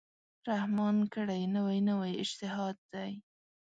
رحمان کړی، نوی نوی اجتهاد دی